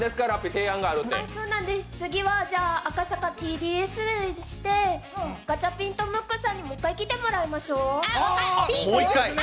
次は赤坂ＴＢＳテレビにして、ガチャピンとムックさんにもう一回、来てもらいましょう。